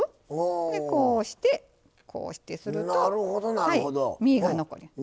でこうしてこうしてするとはい身が残ります。